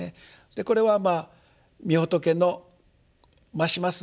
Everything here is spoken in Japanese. これはまあみ仏のまします